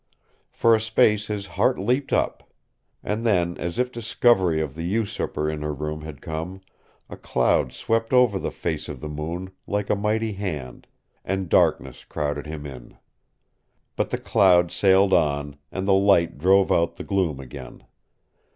For a space his heart leapt up; and then, as if discovery of the usurper in her room had come, a cloud swept over the face of the moon like a mighty hand and darkness crowded him in. But the cloud sailed on and the light drove out the gloom again.